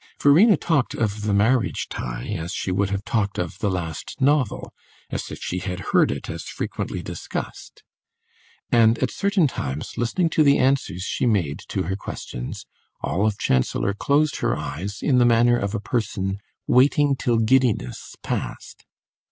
Verena talked of the marriage tie as she would have talked of the last novel as if she had heard it as frequently discussed; and at certain times, listening to the answers she made to her questions, Olive Chancellor closed her eyes in the manner of a person waiting till giddiness passed.